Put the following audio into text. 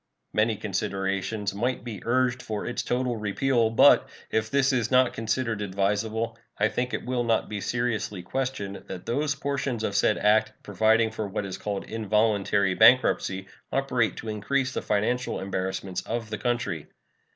Many considerations might be urged for its total repeal, but, if this is not considered advisable, I think it will not be seriously questioned that those portions of said act providing for what is called involuntary bankruptcy operate to increase the financial embarrassments of the country.